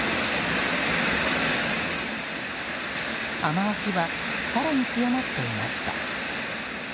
雨脚は更に強まっていました。